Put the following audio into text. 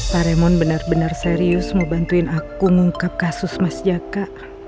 pak remon benar benar serius membantuin aku ngungkap kasus mas jaka